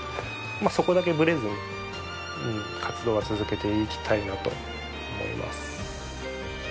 まあそこだけブレずに活動は続けていきたいなと思います。